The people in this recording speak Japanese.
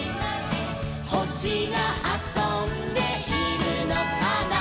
「ほしがあそんでいるのかな」